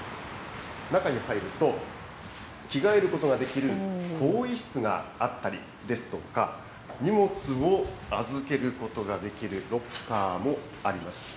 中に入ると、着替えることができる更衣室があったりですとか、荷物を預けることができるロッカーもあります。